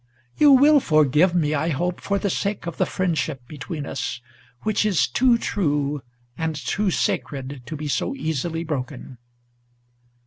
You will forgive me, I hope, for the sake of the friendship between us, Which is too true and too sacred to be so easily broken!"